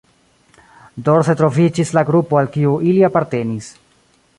Dorse troviĝis la grupo al kiu ili apartenis.